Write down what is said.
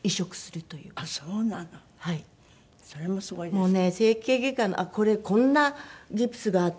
もうね整形外科のあっこれこんなギプスがあって。